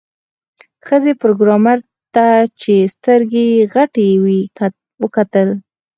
ښځې پروګرامر ته چې سترګې یې غټې وې وکتل